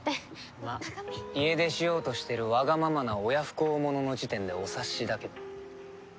まあ家出しようとしてるわがままな親不孝者の時点でお察しだけど。